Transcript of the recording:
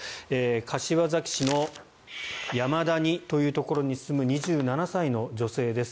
柏崎市の山澗というところに住む２７歳の女性です。